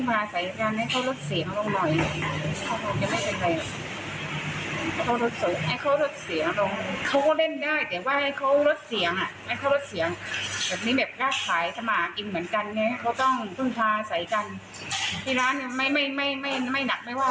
ไม่หนักไม่ว่าว่าหรอกใข่เหลวแบบนี้